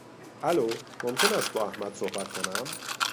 الو، ممکن است با احمد صحبت کنم؟